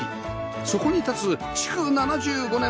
そこに立つ築７５年